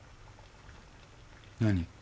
何？